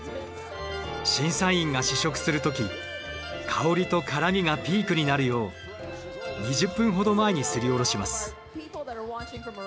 審査員が試食する時香りと辛みがピークになるよう２０分ほど前にすりおろします。